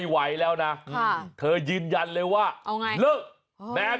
มาอยู่อย่างนี้มาก็เหมือนอยู่ด้วยความระแวง